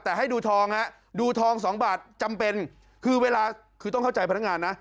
แต่ให้ดูทองฮะดูทองสองบาทจำเป็นคือเวลาคือต้องเข้าใจพนักงานนะ